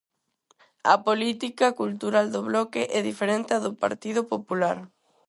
A política cultural do Bloque é diferente á do Partido Popular.